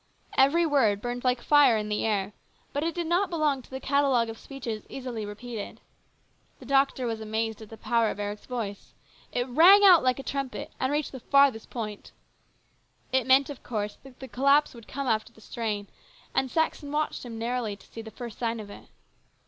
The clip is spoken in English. Every word burned like fire in the air, but it did not belong to the catalogue of speeches easily repeated. The doctor was amazed at the power of Eric's voice. It rang out like a trumpet, and reached the farthest 154 HIS BROTHER'S KEEPER. point. It meant, of course, that the collapse would come after the strain, and Saxon watched him narrowly to see the first sign of it.